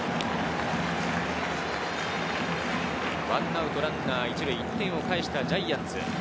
１アウトランナー１塁、１点を返したジャイアンツ。